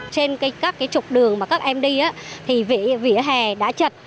trên các trục đường mà các em đi thì vỉa hè đã chật